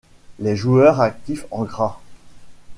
Les joueurs actifs en gras.